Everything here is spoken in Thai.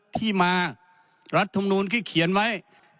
ที่มารัฐมนูลที่เขียนไว้